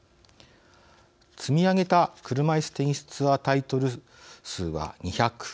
積み上げた、車いすテニスツアータイトル数は２００。